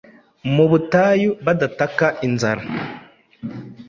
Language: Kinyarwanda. mu butayu badataka inzara,